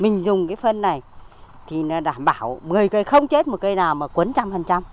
mình dùng cái phân này thì nó đảm bảo một mươi cây không chết một cây nào mà cuốn trăm phần trăm